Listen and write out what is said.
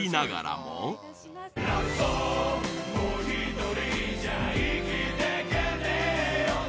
「もう一人じゃ生きてけねえよ」